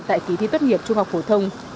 tại kỳ thi tốt nghiệp trung học phổ thông